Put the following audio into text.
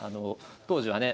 当時はね